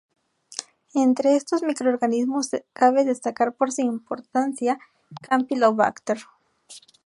Entre estos microorganismos cabe destacar por su importancia "Campylobacter".